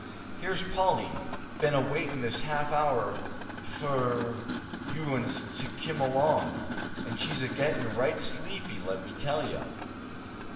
"Here's Polly, be'n awaitin' this half hour fur you uns to kim along. An' she's agettin' right sleepy, let me tell yuh."